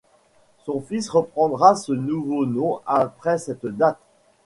Son fils reprendra ce nouveau nom après cette date.